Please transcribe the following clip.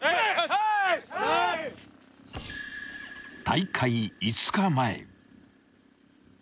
［大会５日前］